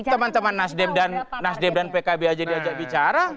teman teman nasdem dan pkb aja diajak bicara